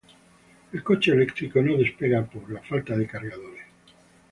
El coche eléctrico no despega por la falta de cargadores